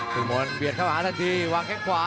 ทุ่งม้อนเบียดเข้าหาทันทีวางแค่งขวา